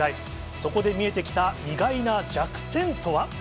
そこで見えてきた意外な弱点とは？